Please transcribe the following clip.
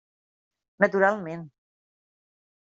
Naturalment!